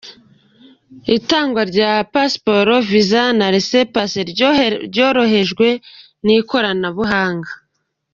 Itangwa rya Pasiporo, Visa na rese Pase ryorohejwe n’ikoranabuhanga